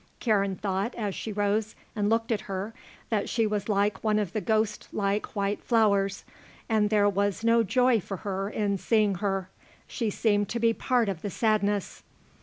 Karen thought, as she rose, and looked at her, that she was like one of the ghost like white flowers. And there was no joy for her in seeing her. She seemed to be part of the sadness.